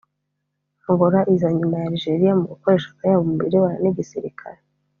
Angola iza nyuma ya Algeria mu gukoresha akayabo mu birebana n’igisirikare